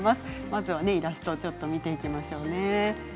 まずはイラストを見ていきましょうね。